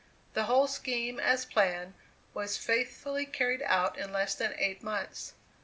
The whole scheme as planned was faithfully carried out in less than eight months.